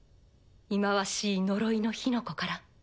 忌まわしい呪いの火の粉から。